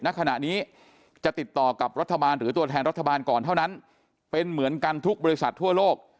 ณขณะนี้จะติดต่อกับรัฐบาลหรือตัวแทนรัฐบาลก่อนเท่านั้นเป็นเหมือนกันทุกบริษัททั่วโลก